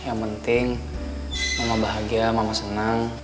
yang penting mama bahagia mama senang